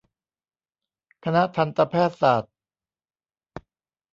คณะทันตแพทย์ศาสตร์